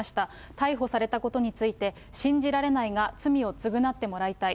逮捕されたことについて、信じられないが、罪を償ってもらいたい。